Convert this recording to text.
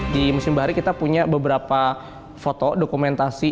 di museum bahari kita punya beberapa foto dokumentasi